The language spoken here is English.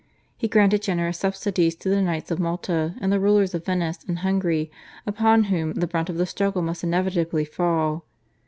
He granted generous subsidies to the Knights of Malta and the rulers of Venice and Hungary upon whom the brunt of the struggle must inevitably fall.